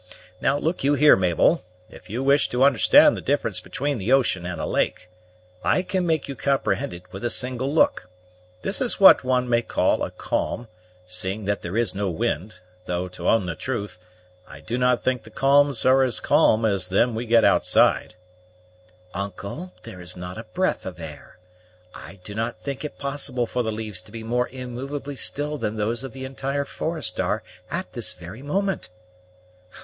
Now, look you here, Mabel, if you wish to understand the difference between the ocean and a lake, I can make you comprehend it with a single look: this is what one may call a calm, seeing that there is no wind; though, to own the truth, I do not think the calms are as calm as them we get outside " "Uncle, there is not a breath of air. I do not think it possible for the leaves to be more immovably still than those of the entire forest are at this very moment."